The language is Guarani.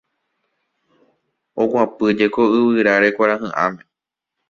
Oguapyjeko yvyráre kuarahy'ãme